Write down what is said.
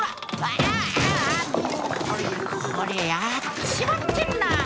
ああこりゃやっちまってんな。